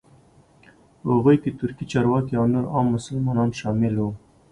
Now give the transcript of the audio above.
په هغوی کې ترکي چارواکي او نور عام مسلمانان شامل وو.